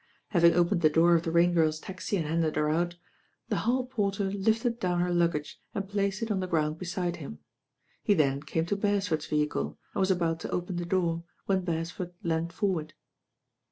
Having opened the door of the Rain Giri*s taad and handed her out, the hall porter lifted down her luggage and placed it on the ground beside him. He then came to Bcfesford's vehicle and was about to open the door when Beresford leaned forward.